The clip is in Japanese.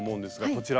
こちら。